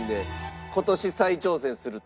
今年再挑戦すると。